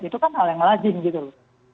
itu kan hal yang lazim gitu loh